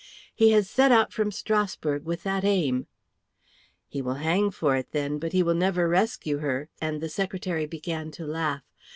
"He has set out from Strasbourg with that aim." "He will hang for it, then, but he will never rescue her;" and the secretary began to laugh.